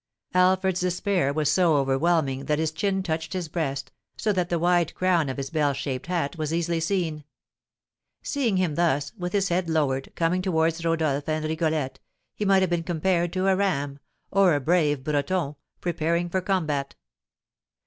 Alfred's despair was so overwhelming that his chin touched his breast, so that the wide crown of his bell shaped hat was easily seen. Seeing him thus, with his head lowered, coming towards Rodolph and Rigolette, he might have been compared to a ram, or a brave Breton, preparing for combat.